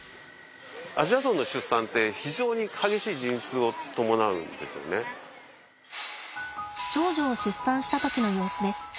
アジアゾウの出産って長女を出産した時の様子です。